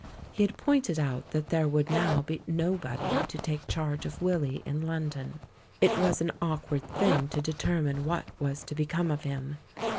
He had pointed out that there would now be nobody to take charge of Willy in London. It was an awkward thing to determine what was to become of him.